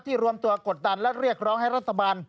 รวมตัวกดดันและเรียกร้องให้รัฐบาล